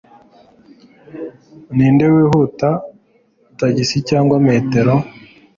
Ninde wihuta, tagisi cyangwa metero?